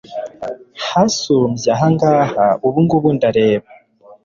hasumbye ahangaha ubu ngubu ndareba